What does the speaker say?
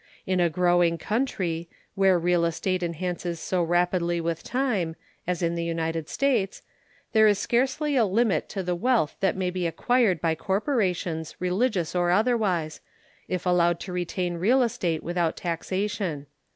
In a growing country, where real estate enhances so rapidly with time, as in the United States, there is scarcely a limit to the wealth that may be acquired by corporations, religious or otherwise, if allowed to retain real estate without taxation.